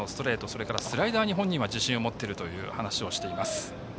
それからスライダーに本人は自信を持っているという話をしています。